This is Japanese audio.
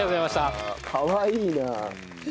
かわいいな。